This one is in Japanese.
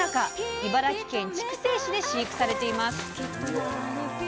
茨城県筑西市で飼育されています。